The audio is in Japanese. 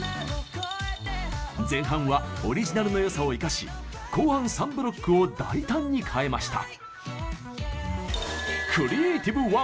前半はオリジナルのよさを生かし後半３ブロックを大胆に変えました。